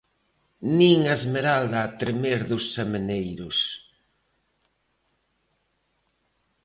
Ni a esmeralda a tremer dos ameneiros...